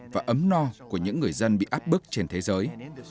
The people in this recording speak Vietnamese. và ấm no của những người dân bị áp bức trên thế giới